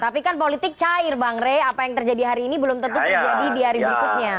tapi kan politik cair bang rey apa yang terjadi hari ini belum tentu terjadi di hari berikutnya